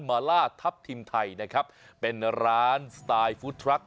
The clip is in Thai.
มาล่าทัพทิมไทยนะครับเป็นร้านสไตล์ฟู้ดทรัค